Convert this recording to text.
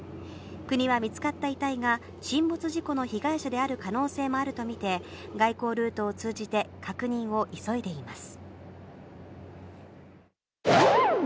国は見つかった遺体が沈没事故の被害者の可能性もあると見て、外交ルートを通じて、確認を急いでいます。